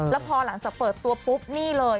แล้วพอหลังจากเปิดตัวปุ๊บนี่เลย